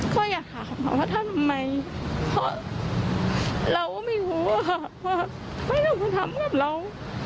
เขาอยากถามว่าทำไมเพราะเราก็ไม่รู้ว่าเขาไม่ต้องทำกับเรา